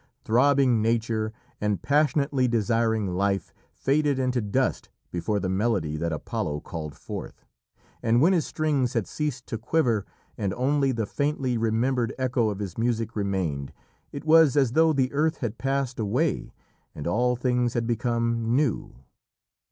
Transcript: Throbbing nature and passionately desiring life faded into dust before the melody that Apollo called forth, and when his strings had ceased to quiver and only the faintly remembered echo of his music remained, it was as though the earth had passed away and all things had become new.